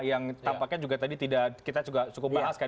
yang tampaknya juga tadi tidak kita cukup bahaskan